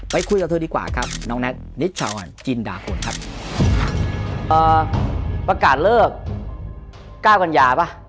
ไปคุยกับเธอดีกว่าครับน้องแน็ตนิชชาวันจินดาโฟนครับ